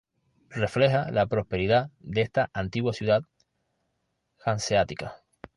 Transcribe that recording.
Refleja la prosperidad de esta antigua ciudad hanseática.